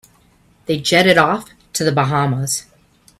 They jetted off to the Bahamas.